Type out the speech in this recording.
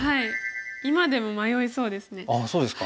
今でも迷いそうですね。